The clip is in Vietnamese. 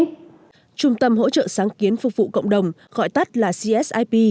trung tâm hỗ trợ sáng kiến phục vụ cộng đồng gọi tắt là csip